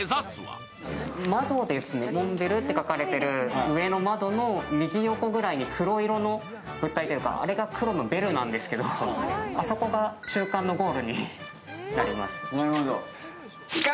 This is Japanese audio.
窓ですね、ｍｏｎｔ−ｂｅｌｌって書かれてる上の窓の右横ぐらいに黒色の物体というか、あれがベルなんですけどあそこが中間のゴールになります。